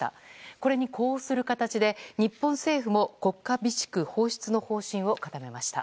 これに呼応する形で日本政府も国家備蓄放出の方針を固めました。